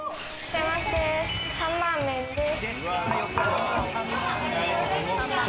サンマーメンです。